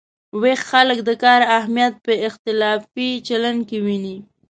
ویښ خلک د کار اهمیت په اختلافي چلن کې ویني.